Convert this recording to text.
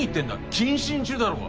謹慎中だろうが。